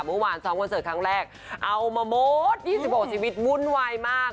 เมื่อวานสองวันเสิร์ฟครั้งแรกเอามาโมดยี่สิบอกชีวิตวุ่นวายมาก